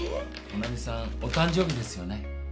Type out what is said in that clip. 保奈美さんお誕生日ですよね？